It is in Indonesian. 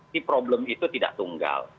si problem itu tidak tunggal